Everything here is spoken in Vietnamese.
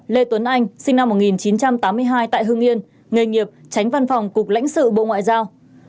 lê tuấn anh sinh năm một nghìn chín trăm tám mươi hai tại hương yên nghề nghiệp tránh văn phòng cục lãnh sự bộ ngoại giao